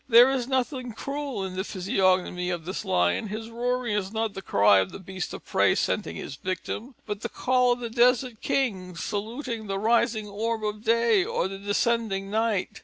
There is nothing cruel in the physiognomy of this lion: his roaring is not the cry of the beast of prey scenting his victim, but the call of the desert king, saluting the rising orb of day or the descending night.